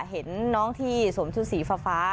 เห็นน้องที่สวมชุดสีฟ้า